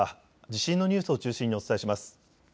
地震のニュースを中心にお伝えします。